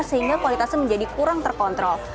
sehingga kualitasnya menjadi kurang terkontrol